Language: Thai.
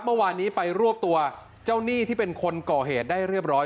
เมื่อวานนี้ไปรวบตัวเจ้าหนี้ที่เป็นคนก่อเหตุได้เรียบร้อย